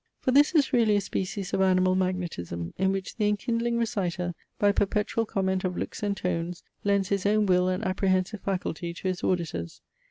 For this is really a species of animal magnetism, in which the enkindling reciter, by perpetual comment of looks and tones, lends his own will and apprehensive faculty to his auditors.